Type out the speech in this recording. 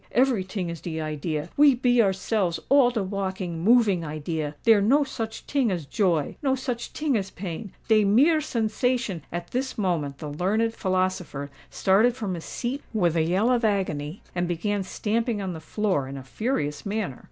Every ting is de idea—we be ourselves all de walking, moving idea: dere no such ting as joy—no such ting as pain—dey mere sensation—" At this moment the learned philosopher started from his seat with a yell of agony, and began stamping on the floor in a furious manner.